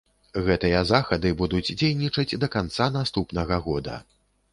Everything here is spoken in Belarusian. Гэтыя захады будуць дзейнічаць да канца наступнага года.